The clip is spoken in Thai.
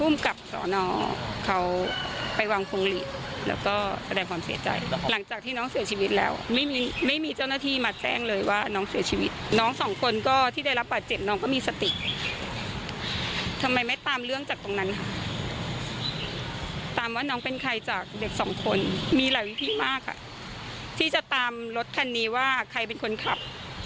มีหลายวิธีมากค่ะที่จะตามรถคันนี้ว่าใครเป็นคนขับ